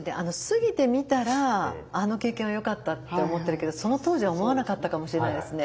過ぎてみたらあの経験はよかったって思ってるけどその当時は思わなかったかもしれないですね